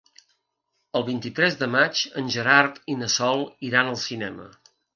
El vint-i-tres de maig en Gerard i na Sol iran al cinema.